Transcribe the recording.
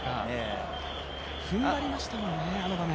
踏ん張りましたもんね、あの場面。